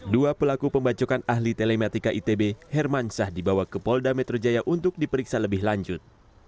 dua pelaku pembacokan ahli telematika itb herman syah dibawa ke polda metro jaya untuk diperiksa lebih lanjut